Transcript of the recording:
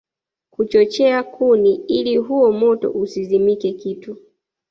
kuchochea kuni ili huo moto usizimike Kitu